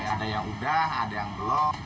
ada yang udah ada yang belum